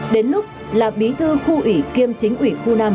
đến lúc là bí thư khu ủy kiêm chính ủy khu năm